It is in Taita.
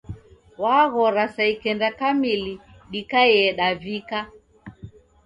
Waghora saa ikenda kamili dikaie davika